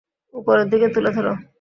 উপরের দিকে তুলে ধর।